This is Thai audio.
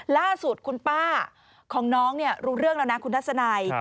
ล่าสุดคุณป้าของน้องรู้เรื่องแล้วนะคุณทัศนัย